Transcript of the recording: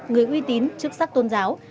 người uy tín chức sắc tôn giáo